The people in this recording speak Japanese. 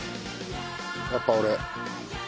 やっぱ俺。